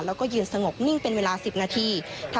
แล้วก็ยืนสงบนิ่งเป็นเวลา๑๐นาที